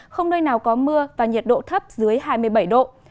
không nơi nào có mưa và nhiệt độ thấp dưới hai mươi bảy độ